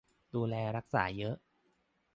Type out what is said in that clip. - ดูแลรักษาเยอะ